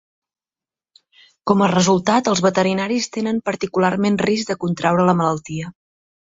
Com a resultat, els veterinaris tenen particularment risc de contraure la malaltia.